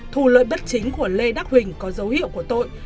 thu lợi bất chính của lê đắc huỳnh có dấu hiệu của tội